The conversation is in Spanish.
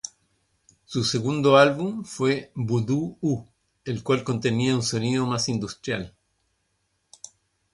Su segundo álbum fue "Voodoo-U", el cual contenía un sonido más industrial.